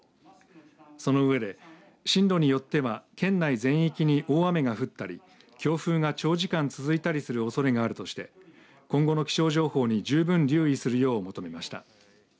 そのうえで、進路によっては県内全域に大雨が降ったり強風が長時間続いたりするおそれがあるとして今後の気象情報に十分留意するよう求めました。